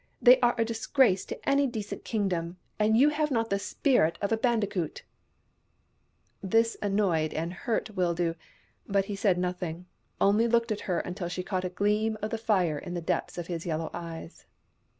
They are a disgrace to any decent Kingdom, and you have not the spirit of a Bandicoot !" This annoyed and hurt Wildoo, but he said nothing — only looked at her until she caught a gleam of fire in the depths of his yellow eyes.